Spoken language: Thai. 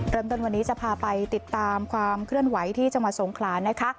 เริ่มต้นวันนี้จะพาไปติดตามความเคลื่อนไหวที่จังหวัดสงขลานะคะ